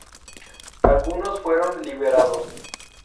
Algunos fueron liberados.